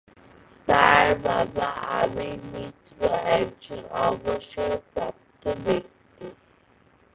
তাঁর বাবা আবির মিত্র একজন অবসরপ্রাপ্ত ব্যক্তি।